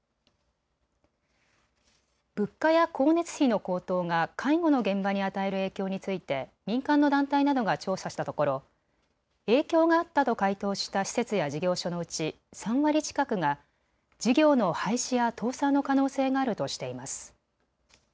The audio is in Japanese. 物価や光熱費の高騰が介護の現場に与える影響について民間の団体などが調査したところ影響があったと回答した施設や事業所のうち３割近くが事業の廃止や倒産の可能性があるとしています。